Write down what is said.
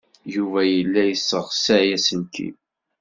Yuba yella yesseɣsay aselkim.